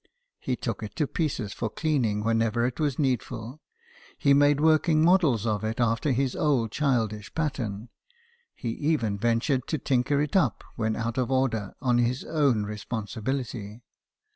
He took it to pieces for cleaning whenever it was needful ; he made working models of it after his old childish pattern ; he even ventured to tinker it up when out of order on his own responsibility.